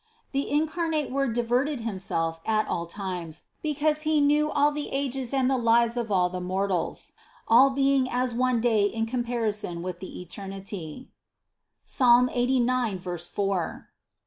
The incarnate Word diverted Himself at all times, because He knew all the ages and the lives of all the mortals, all being as one day in comparison with THE CONCEPTION 73 eternity (Ps. 89, 4).